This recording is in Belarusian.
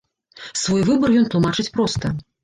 Свой выбар ён тлумачыць проста.